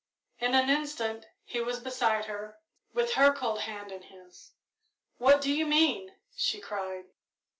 In an instant he was beside her, with her cold hand in his. "What do you mean!" she cried.